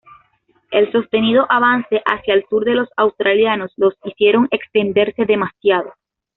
El sostenido avance hacia el sur de los australianos los hicieron extenderse demasiado.